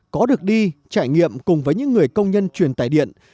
có được đi trải nghiệm cùng với những người công nhân truyền tải điện